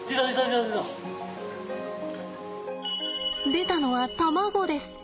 出たのは卵です。